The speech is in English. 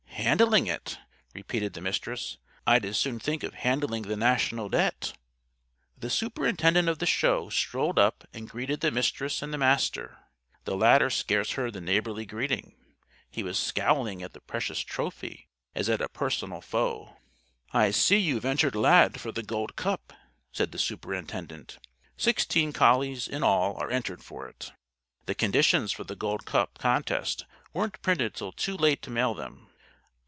"Handling it?" repeated The Mistress. "I'd as soon think of handling the National Debt!" The Superintendent of the Show strolled up and greeted the Mistress and the Master. The latter scarce heard the neighborly greeting. He was scowling at the precious trophy as at a personal foe. "I see you've entered Lad for the Gold Cup," said the Superintendent. "Sixteen collies, in all, are entered for it. The conditions for the Gold Cup contest weren't printed till too late to mail them.